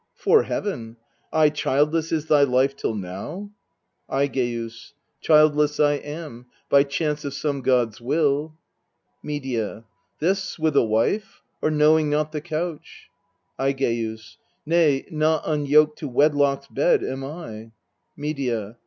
'Fore Heaven ! aye childless is thy life till now ? Aigeus. Childless I am, by chance of some god's will. Medea. This, with a wife, or knowing not the couch ? Aigeus. Nay, not unyoked to wedlock's bed am I. Medea.